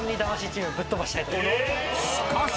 しかし。